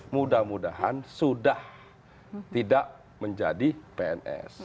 mudah mudahan sudah tidak menjadi pns